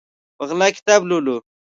په غلا کتاب لولو